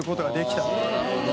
なるほど。